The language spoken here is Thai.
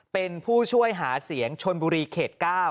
เป็นผู้ช่วยหาเสียงชนบุรีเขต๙